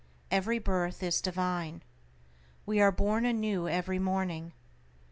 Every birth is divine. We are born anew every morning.